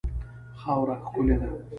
خاوره ښکلې ده.